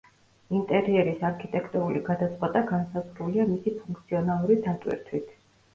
ინტერიერის არქიტექტურული გადაწყვეტა განსაზღვრულია მისი ფუნქციონალური დატვირთვით.